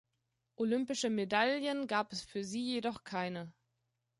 Olympische Medaillen gab es für sie jedoch keine.